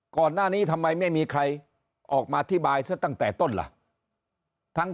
ก่อนหน้านี้ทำไมไม่มีใครออกมาอธิบายซะตั้งแต่ต้นล่ะทั้ง